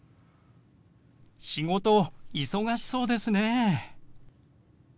「仕事忙しそうですね」。